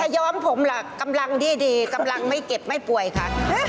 ย้อมผมล่ะกำลังดีกำลังไม่เก็บไม่ป่วยค่ะ